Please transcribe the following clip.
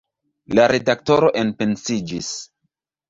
La redaktoro enpensiĝis.